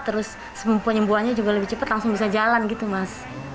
terus penyembuhannya juga lebih cepat langsung bisa jalan gitu mas